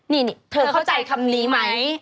นี่เธอเข้าใจคำนี้ไหม